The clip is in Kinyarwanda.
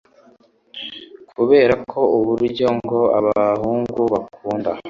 kubera ko burya ngo abahungu bakunda